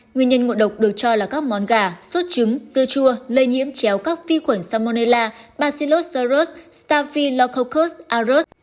nguyên nhân ngộ độc được cho là các món gà sốt trứng dưa chua lây nhiễm chéo các vi khuẩn salmonella bacillus seros staphylococcus aureus